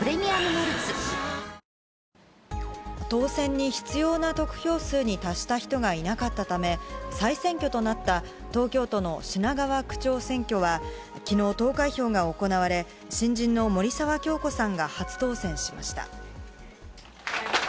もったいなくないもったいなくない当選に必要な得票数に達した人がいなかったため、再選挙となった東京都の品川区長選挙は、きのう、投開票が行われ、新人の森沢恭子さんが初当選しました。